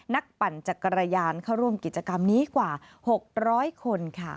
ปั่นจักรยานเข้าร่วมกิจกรรมนี้กว่า๖๐๐คนค่ะ